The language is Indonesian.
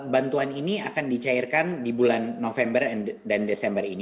bantuan ini akan dicairkan di bulan november dan desember ini